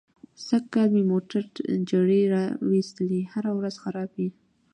سږ کال مې موټر جرړې را و ایستلې. هره ورځ خراب وي.